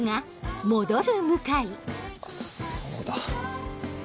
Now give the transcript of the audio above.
あっそうだ。